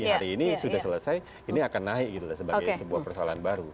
hari ini sudah selesai ini akan naik gitu sebagai sebuah persoalan baru